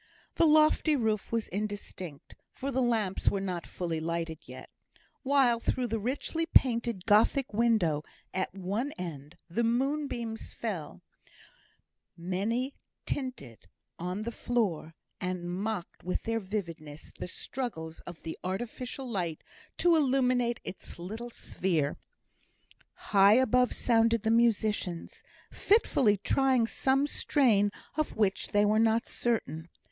The lofty roof was indistinct, for the lamps were not fully lighted yet; while through the richly painted Gothic window at one end the moonbeams fell, many tinted, on the floor, and mocked with their vividness the struggles of the artificial light to illuminate its little sphere. High above sounded the musicians, fitfully trying some strain of which they were not certain.